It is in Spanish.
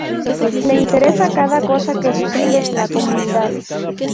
Le interesa cada cosa que sucede en la comunidad.